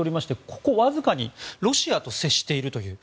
ここ、わずかにロシアと接しているという。